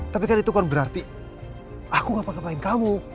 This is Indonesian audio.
tapi kan itu kan berarti aku ngapain kamu